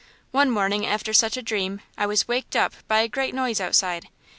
One morning after such a dream I was waked up by a great noise outside.